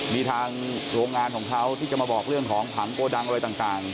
มีทางโรงงานของเขาที่จะมาบอกเรื่องของผังโกดังอะไรต่าง